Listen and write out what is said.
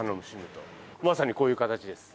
まさにこういう形です。